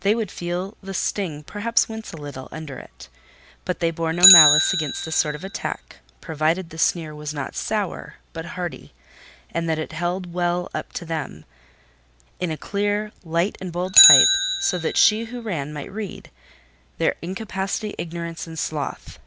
They would feel the sting, perhaps wince a little under it; but they bore no malice against this sort of attack, provided the sneer was not sour, but hearty, and that it held well up to them, in a clear, light, and bold type, so that she who ran might read, their incapacity, ignorance, and sloth.